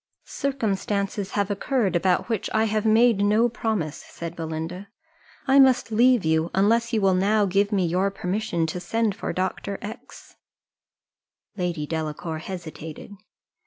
"Circumstances have occurred, about which I have made no promise," said Belinda; "I must leave you, unless you will now give me your permission to send for Dr. X ." Lady Delacour hesitated.